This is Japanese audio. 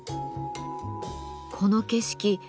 この景色